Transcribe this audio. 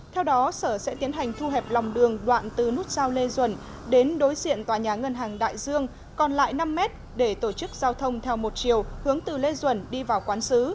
theo đó sở sẽ tiến hành thu hẹp lòng đường đoạn từ nút sao lê duẩn đến đối diện tòa nhà ngân hàng đại dương còn lại năm mét để tổ chức giao thông theo một chiều hướng từ lê duẩn đi vào quán xứ